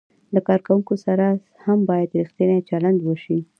له کارکوونکو سره هم باید ریښتینی چلند وشي.